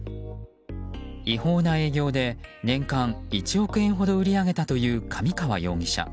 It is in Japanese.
違法な営業で年間１億円ほど売り上げたという神川容疑者。